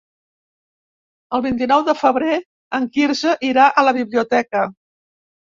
El vint-i-nou de febrer en Quirze irà a la biblioteca.